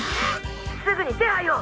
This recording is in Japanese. すぐに手配を！